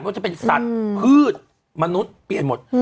ว่าจะเป็นสัตว์พืชมนุษย์เปลี่ยนหมด